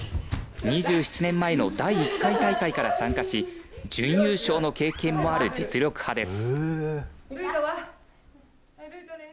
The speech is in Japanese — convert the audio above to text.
２７年前の第１回大会から参加し準優勝の経験もある実力派です。